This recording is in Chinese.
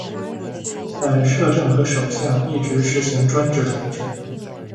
但摄政和首相一直施行专制统治。